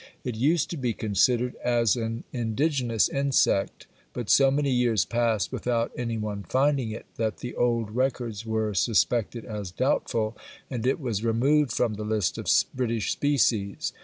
It used to be considered as an indigenous insect, but so many years passed without any one finding it, that the old records were suspected as doubtful, and it was removed from the list of British species.